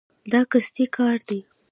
دا قصدي کار دی.